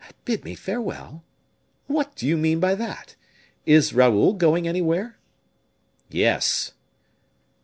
"Bid me farewell! What do you mean by that? Is Raoul going anywhere?" "Yes."